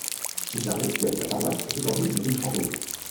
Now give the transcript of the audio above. Jussarö, qui avait sa paroisse, est aujourd'hui une ville fantôme.